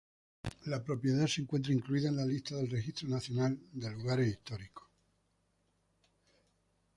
La propiedad se encuentra incluida en la lista del Registro Nacional de Lugares Históricos.